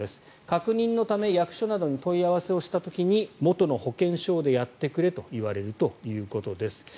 確認のため役所などに問い合わせをした時に元の保険証でやってくれと言われるということです。